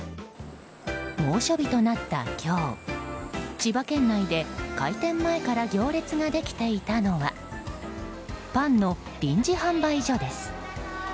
猛暑日となった今日千葉県内で開店前から行列ができていたのはパンの臨時販売所です。